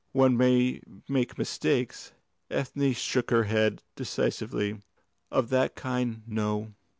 One may make mistakes." Ethne shook her head decidedly. "Of that kind, no.